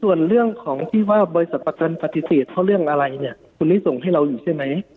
ส่วนเรื่องของที่ว่าบริษัทประกันปฏิเสธเพราะเรื่องอะไรเนี่ยคุณได้ส่งให้เราอยู่ใช่ไหม